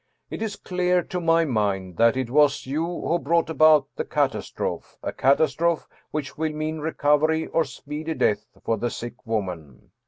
It is clear to my mind that it was you who brought about the catastrophe, a catastrophe which will mean recovery or speedy death for the sick woman.